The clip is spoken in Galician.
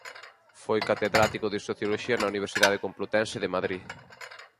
Foi catedrático de socioloxía na Universidade Complutense de Madrid.